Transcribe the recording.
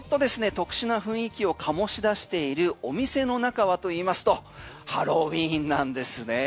特殊な雰囲気を醸し出しているお店の中はといいますとハロウィーンなんですね。